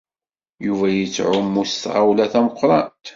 Yuba yettɛumu s tɣawla tameqrant.